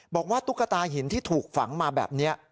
ตุ๊กตาหินที่ถูกฝังมาแบบนี้